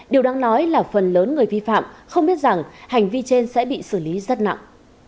điều đáng nói là phần lớn người vi phạm không biết rằng hành vi trên sẽ bị xử lý rất nặng